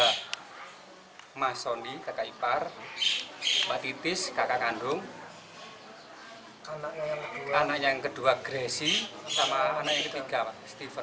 anaknya soni kakak ipar mbak titis kakak kandung anaknya yang kedua gresi sama anaknya yang ketiga stephen